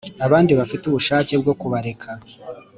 abandi bafite ubushake bwo kubareka